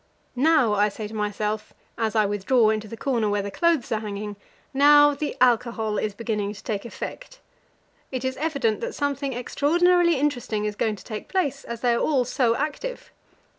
Now, I say to myself, as I withdraw into the corner where the clothes are hanging now the alcohol is beginning to take effect. It is evident that something extraordinarily interesting is going to take place, as they are all so active.